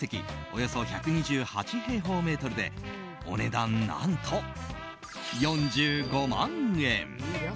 およそ１２８平方メートルでお値段何と、４５万円！